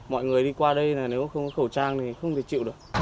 mọi người đi qua đây là nếu không có khẩu trang thì không thể chịu được